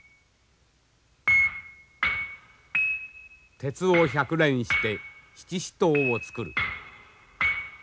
「鉄を百練して七支刀を造る」。